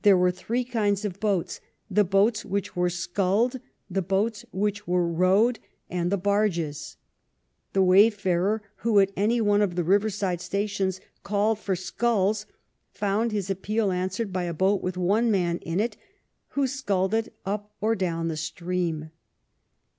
There were three kinds of boats: the boats which were sculled, the boats which were rowed, and the barges. The wayfarer who at any of the river side stations called for " sculls " found his appeal an swered by a boat with one man in it who sculled it up or down the stream.